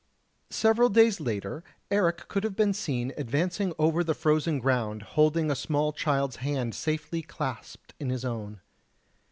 XV Several days later Eric could have been seen advancing over the frozen ground holding a small child's hand safely clasped in his own.